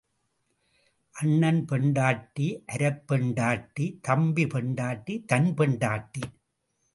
அண்ணன் பெண்டாட்டி அரைப் பெண்டாட்டி தம்பி பெண்டாட்டி தன் பெண்டாட்டி.